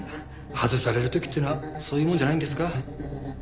外される時っていうのはそういうもんじゃないんですか？